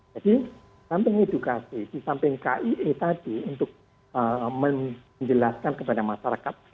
jadi samping edukasi disamping kie tadi untuk menjelaskan kepada masyarakat akan manfaatnya